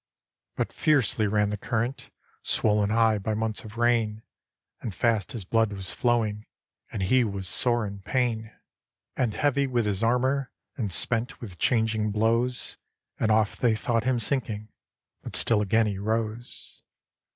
But fiercely ran the current, Swollen high by months of rain: And fast his blood was flowing. And he was sore in pain, 286 HORATIUS And heavy with his armor, And spent with changing blows: And oft they thought him sinking, But still again he rose.